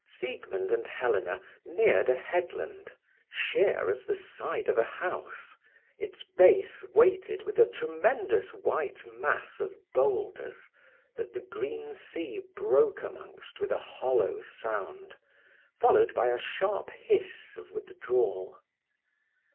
Siegmund and Helena neared a headland, sheer as the side of a house, its base weighted with a tremendous white mass of boulders, that the green sea broke amongst with a hollow sound, followed by a sharp hiss of withdrawal.